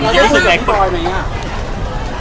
แล้วได้คุยกับพี่บอยมั้ยอย่างงี้อ่ะ